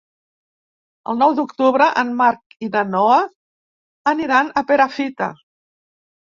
El nou d'octubre en Marc i na Noa aniran a Perafita.